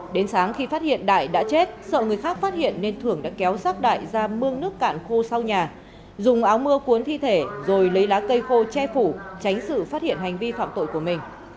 đến sáng khi phát hiện đại đã chết sợ người khác phát hiện nên thưởng đã kéo sát đại ra mương nước cạn khô sau nhà dùng áo mưa cuốn thi thể rồi lấy lá cây khô che phủ tránh sự phát hiện hành vi phạm tội của mình